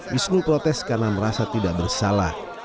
wisnu protes karena merasa tidak bersalah